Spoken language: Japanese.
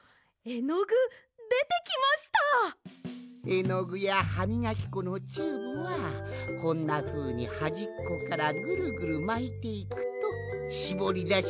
えのぐやはみがきこのチューブはこんなふうにはじっこからぐるぐるまいていくとしぼりだしやすいんじゃ。